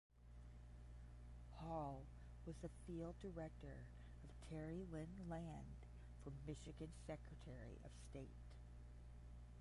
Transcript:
Hall was the Field Director of Terri Lynn Land for Michigan Secretary of State.